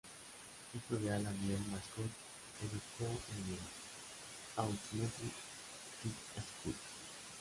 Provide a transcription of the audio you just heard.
Hijo de Alan y Elma Scott, se educó en el Auchmuty High School.